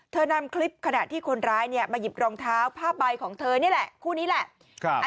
นำคลิปขณะที่คนร้ายมาหยิบรองเท้าผ้าใบของเธอนี่แหละคู่นี้แหละ